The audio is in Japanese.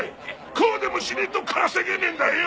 こうでもしねえと稼げねえんだよ